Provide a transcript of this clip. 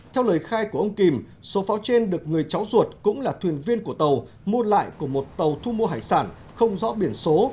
theo lời khai của ông kim số pháo trên được người cháu ruột cũng là thuyền viên của tàu mua lại của một tàu thu mua hải sản không rõ biển số